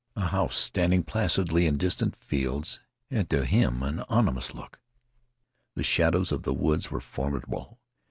A house standing placidly in distant fields had to him an ominous look. The shadows of the woods were formidable.